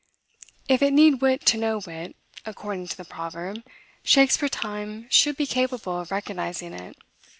If it need wit to know wit, according to the proverb, Shakspeare's time should be capable of recognizing it.